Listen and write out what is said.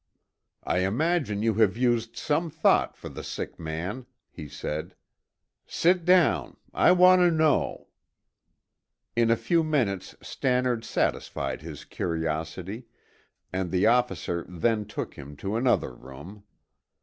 "I imagine you have used some thought for the sick man," he said. "Sit down; I want to know " In a few minutes Stannard satisfied his curiosity, and the officer then took him to another room.